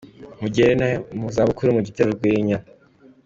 Mugera no mu zabukuru mu gitera urwenya.